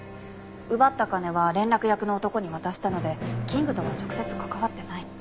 奪った金は連絡役の男に渡したのでキングとは直接関わってないって。